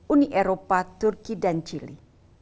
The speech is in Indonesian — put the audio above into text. uni eropa turki dan chile